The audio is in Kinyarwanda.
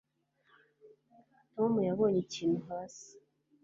Tom yabonye ikintu hasi